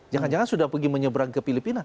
jangan jangan sudah pergi menyeberang ke filipina